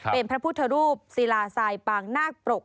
เป็นพระพุทธรูปศิลาทรายปางนาคปรก